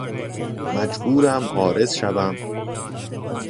مجبورم عارض شوم